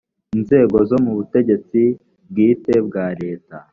inzego zo mu butegetsi bwite bwa leta